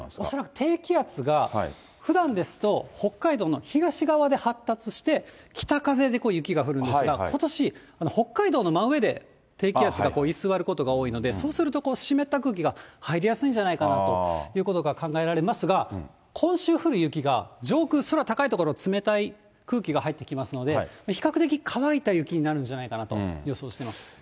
恐らく低気圧が、ふだんですと、北海道の東側で発達して、北風で雪が降るんですが、ことし、北海道の真上で低気圧が居座ることが多いので、そうすると、湿った空気が入りやすいんじゃないかなということが考えられますが、今週降る雪が、上空空高い所、冷たい空気が入ってきますので、比較的乾いた雪になるんじゃないかなと予想しています。